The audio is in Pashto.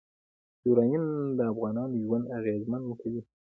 یورانیم د افغانانو ژوند اغېزمن کوي.